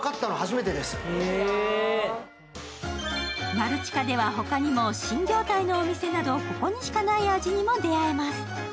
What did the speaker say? マルチカではほかにも新業態のお店など、ここにしかない味にも出会えます。